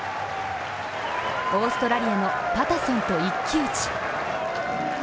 オーストラリアのパタソンと一騎打ち。